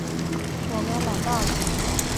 我们冷爆了